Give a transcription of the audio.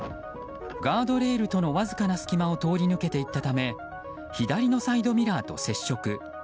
ガードレールとのわずかな隙間を通り抜けて行ったため左のサイドミラーと接触。